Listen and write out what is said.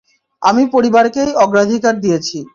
আমি পরিবারকেই অগ্রাধিকার দিয়েছি।